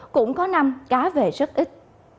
cũng có năm cá về rất ít